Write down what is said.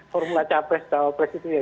formula capres jawa pres itu ya